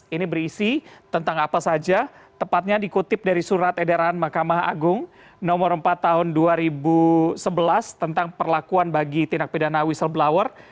ini berisi tentang apa saja tepatnya dikutip dari surat edaran mahkamah agung nomor empat tahun dua ribu sebelas tentang perlakuan bagi tindak pidana whistleblower